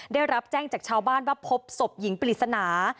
ได้รับแจ้งจากชาวบ้านว่าพบศพหญิงปริศนา